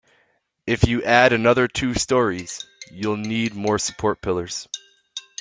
If you add another two storeys, you'll need more support pillars.